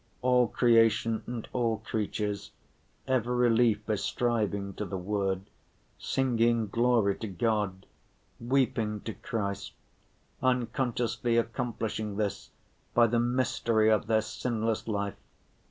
All creation and all creatures, every leaf is striving to the Word, singing glory to God, weeping to Christ, unconsciously accomplishing this by the mystery of their sinless life.